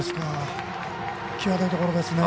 際どいところですね。